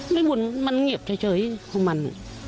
ไม่ว่ามันเงียบเฉยมัน